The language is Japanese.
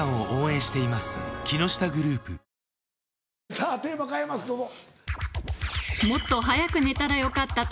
さぁテーマ変えますどうぞ。